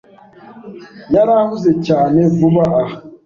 yarahuze cyane vuba aha.